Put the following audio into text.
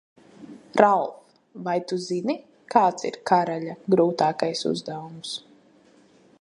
Ralf, vai tu zini, kāds ir karaļa grūtākais uzdevums?